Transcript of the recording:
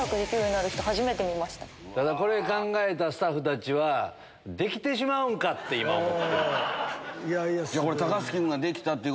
ただこれ考えたスタッフたちはできてしまうんか⁉って今思ってる。